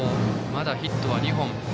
まだヒットは２本。